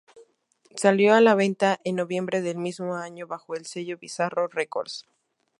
Salió a la venta en noviembre del mismo año bajo el sello Bizarro Records.